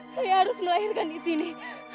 saya harus melahirkan di sini